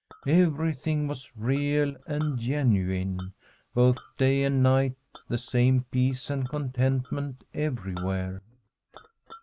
Everything was real and genuine ; both day and night the same peace and contentment everywhere.